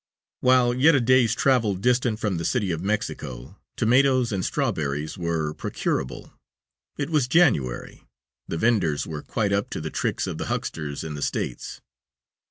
While yet a day's travel distant from the City of Mexico, tomatoes and strawberries were procurable. It was January. The venders were quite up to the tricks of the hucksters in the States.